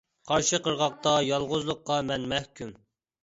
قارشى قىرغاقتا- يالغۇزلۇققا مەن مەھكۇم.